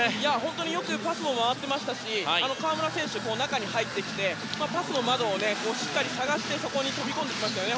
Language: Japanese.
よくパスも回っていましたし河村選手、中に入ってきてパスの窓をしっかり探してそこに飛び込んできましたね